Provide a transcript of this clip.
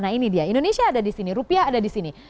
nah ini dia indonesia ada di sini rupiah ada di sini